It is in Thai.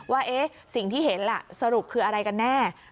ว่าสิ่งที่เห็นล่ะสรุปคืออะไรกันแน่